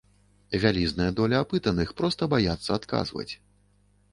Вялізная доля апытаных проста баіцца адказваць.